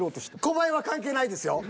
コバエは関係ないですよ。